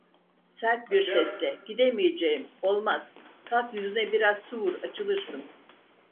Sert bir sesle: "Gidemeyeceğim olmaz… Kalk, yüzüne biraz su vur, açılırsın!"